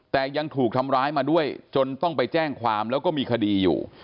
แต่ยังถูกทำร้ายมาด้วยจนต้องไปแจ้งความแล้วก็มีคดีอยู่